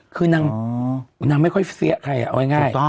คือนางไม่ค่อยเฟี้ยใครเอาง่าย